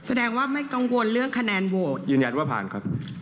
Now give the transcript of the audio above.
แสดงว่าไม่กังวลเรื่องคะแนนโหวตยืนยันว่าผ่านครับ